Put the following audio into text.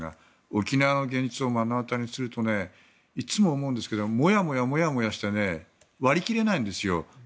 沖縄の現実を目の当たりにするといつも思うんですけどもやもやして割り切れないんですよ。